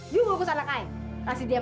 ibu nggak mau tahu dong